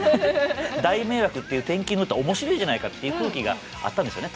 「大迷惑」っていう転勤の歌面白えじゃないかっていう空気があったんでしょうね